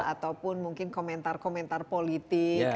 ataupun mungkin komentar komentar politik